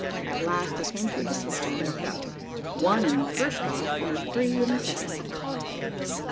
At last I came to a decision and looked up. "One in the first lot and three in the second," I said.